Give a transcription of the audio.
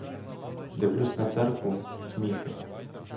Дивлюся на церкву — сміхи.